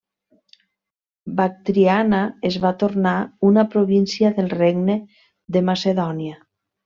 Bactriana es va tornar una província del Regne de Macedònia.